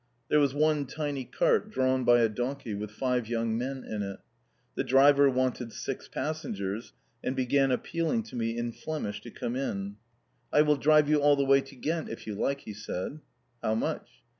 There was one tiny cart, drawn by a donkey, with five young men in it. The driver wanted six passengers, and began appealing to me in Flemish to come in. "I will drive you all the way to Ghent if you like," he said. "How much?"